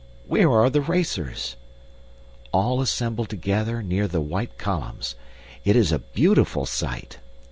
Where are the racers? All assembled together near the white columns. It is a beautiful sight.